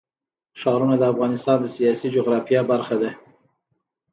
ښارونه د افغانستان د سیاسي جغرافیه برخه ده.